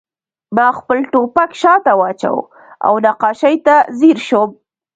ما خپل ټوپک شاته واچاوه او نقاشۍ ته ځیر شوم